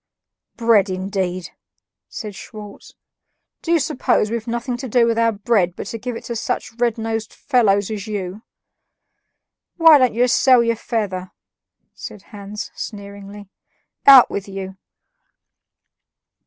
"Bread, indeed!" said Schwartz; "do you suppose we've nothing to do with our bread but to give it to such red nosed fellows as you?" "Why don't you sell your feather?" said Hans sneeringly. "Out with you!"